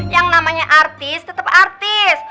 yang namanya artis tetap artis